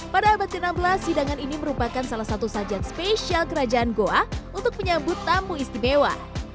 pada abad ke enam belas hidangan ini merupakan salah satu sajian spesial kerajaan goa untuk menyambut tamu istimewa